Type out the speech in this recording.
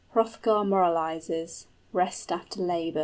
HROTHGAR MORALIZES. REST AFTER LABOR.